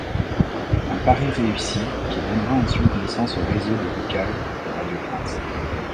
Un pari réussi qui donnera ensuite naissance au réseau des locales de Radio France.